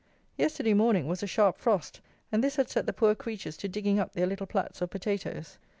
Yesterday morning was a sharp frost; and this had set the poor creatures to digging up their little plats of potatoes.